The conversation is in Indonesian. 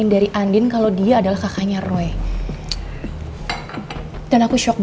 dia juga punya pandemi